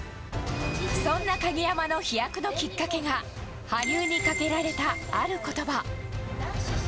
そんな鍵山の飛躍のきっかけが羽生にかけられた、ある言葉。